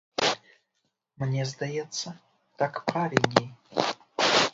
Мне здаецца, так правільней.